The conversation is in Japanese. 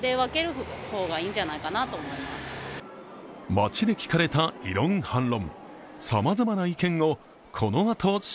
街で聞かれた異論反論。